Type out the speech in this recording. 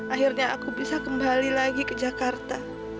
akhirnya aku bisa kembali lagi ke jakarta